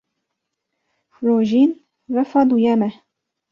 Rojîn refa duyem e.